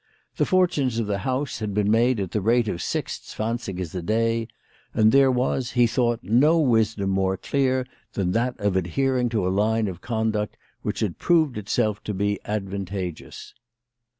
The fortunes of the house had been made at the rate of six zwansigers a day, and there was, he thought, no wisdom more clear than that of adhering to a line of conduct which had proved itself to be advantageous.